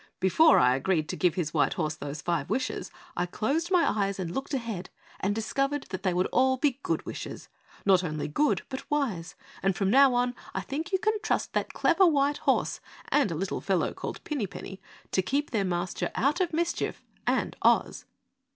"Before I agreed to give his white horse those five wishes, I closed my eyes, looked ahead, and discovered that they would all be good wishes. Not only good but wise, and from now on I think you can trust that clever white horse and a little fellow called Pinny Penny to keep their Master out of mischief and Oz."